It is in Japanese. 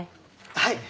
はい。